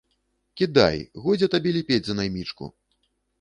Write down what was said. Кідай, годзе табе ліпець за наймічку.